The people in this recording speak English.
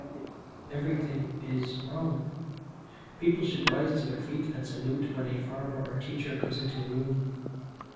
"Everything is wrong. People should rise to their feet and salute when a farmer or a teacher comes into a room.